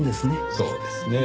そうですねぇ。